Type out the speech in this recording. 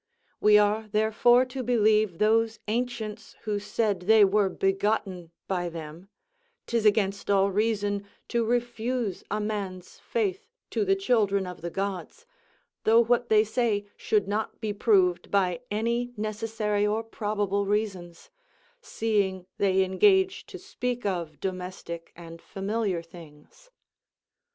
We are therefore to believe those ancients who said they were begotten by them; 'tis against all reason to refuse a man's faith to the children of the gods, though what they say should not be proved by any necessary or probable reasons; seeing they engage to speak of domestic and familiar things.